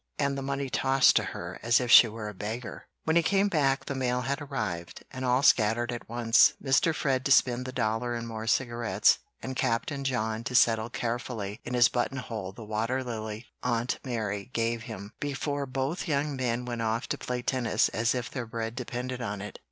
and the money tossed to her as if she were a beggar. When he came back the mail had arrived, and all scattered at once, Mr. Fred to spend the dollar in more cigarettes, and Captain John to settle carefully in his button hole the water lily Aunt Mary gave him, before both young men went off to play tennis as if their bread depended on it.